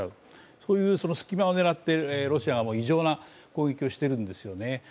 そういう隙間を狙ってロシアが異常な攻撃をしているんですよね。